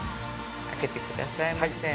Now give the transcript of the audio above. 開けてくださいませ。